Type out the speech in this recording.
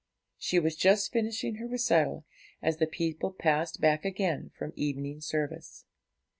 She was just finishing her recital as the people passed back again from evening service.